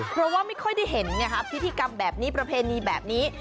เพราะว่าไม่ค่อยได้เห็นพิธีกรรมแบบนี้ประเพณีแบบนี้